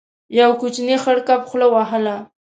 يو کوچنی خړ کب خوله وهله.